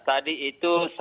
tadi itu saya